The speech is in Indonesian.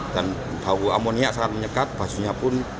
dan bau amonia sangat menyegat bajunya pun